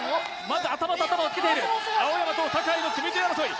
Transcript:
まず頭と頭をつけている青山と坂井の組み手争い